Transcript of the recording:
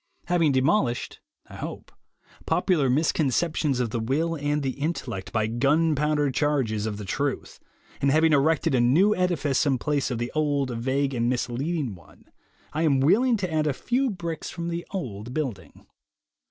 Having demolished (I hope) popular misconceptions of the will and the intellect by gunpowder charges of the truth, and having erected a new edifice in place of the old, vague, and misleading one, I am willing to add a few bricks from the old building.